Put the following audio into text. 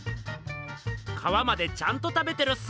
かわまでちゃんと食べてるっす。